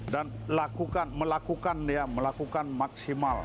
dan melakukan dia melakukan maksimal